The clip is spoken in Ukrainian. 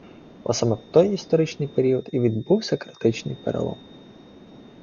Бо саме в той історичний період і відбувався критичний перелом